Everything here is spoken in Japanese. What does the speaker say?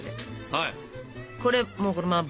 はい。